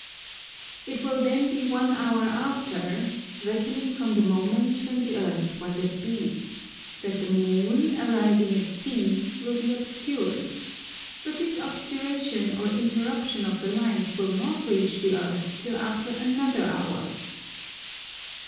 It will then be one hour after, reckoning from the moment when the Earth was at B, that the Moon, arriving at C, will be obscured: but this obscuration or interruption of the light will not reach the Earth till after another hour.